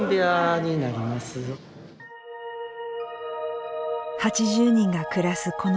８０人が暮らすこの施設。